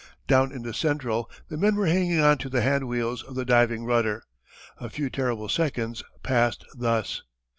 Down in the central the men were hanging on to the hand wheels of the diving rudder. A few terrible seconds passed thus.